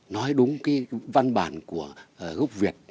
nói đúng cái văn bản của gốc việt